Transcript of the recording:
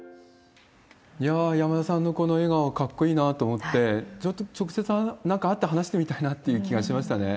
いやー、山田さんのこの笑顔、かっこいいなと思って、直接なんか会って話してみたいなっていう気がしましたね。